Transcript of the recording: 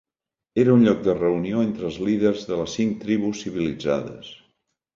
Era un lloc de reunió entre els líders de les cinc tribus civilitzades.